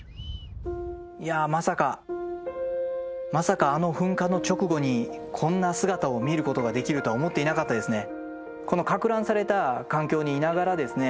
いやまさかまさかあの噴火の直後にこんな姿を見ることができるとは思っていなかったですね。